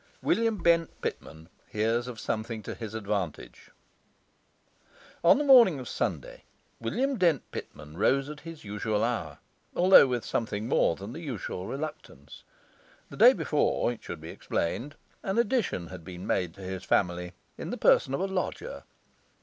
William Bent Pitman Hears of Something to his Advantage On the morning of Sunday, William Dent Pitman rose at his usual hour, although with something more than the usual reluctance. The day before (it should be explained) an addition had been made to his family in the person of a lodger.